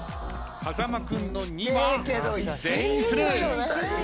風間君の２は全員スルー。